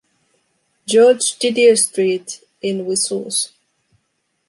George Didier Street, in Wissous